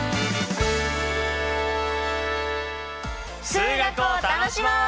数学を楽しもう！